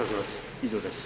以上です。